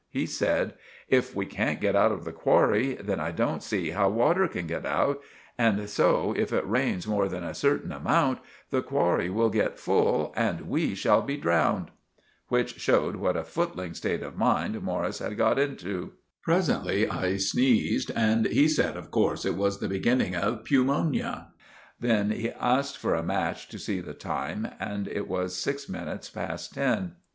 He said— "If we can't get out of the qwarry, then I don't see how water can get out, and so, if it rains more than a certain amount, the qwarry will get full and we shall be drowned." Which showed what a footling state of mind Morris had got into. Presently I sneezed and he said of corse that it was the beginning of pewmonia. Then he asked for a match to see the time and it was six minutes past ten.